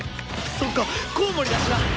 そっかコウモリだしな！